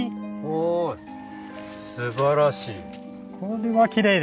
おすばらしい。